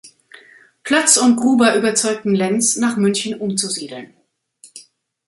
Ploetz und Gruber überzeugten Lenz, nach München umzusiedeln.